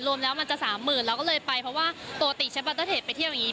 รวมแล้วมันจะสามหมื่นเราก็เลยไปเพราะว่าปกติเชฟบันเตอร์เทจไปเที่ยวอย่างนี้